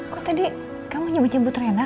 kok tadi kamu nyebut nyebut rena